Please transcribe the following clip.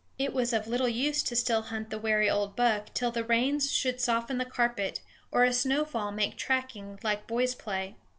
It was of little use to still hunt the wary old buck till the rains should soften the carpet, or a snowfall make tracking like boys' play.